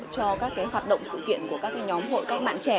do các cái hoạt động sự kiện của các nhóm hội các bạn trẻ